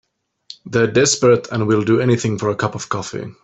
They're desperate and will do anything for a cup of coffee.